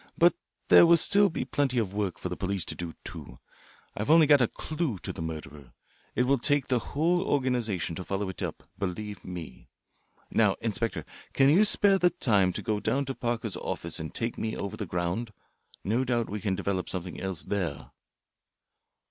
"But there will still be plenty of work for the police to do, too. I've only got a clue to the murderer. It will take the whole organisation to follow it up, believe me. Now, Inspector, can you spare the time to go down to Parker's office and take me over the ground? No doubt we can develop something else there."